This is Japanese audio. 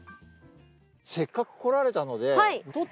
せっかく来られたので。